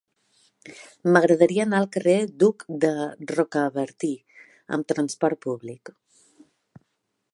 M'agradaria anar al carrer d'Hug de Rocabertí amb trasport públic.